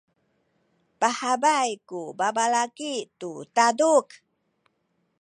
pahabay ku babalaki tu taduk.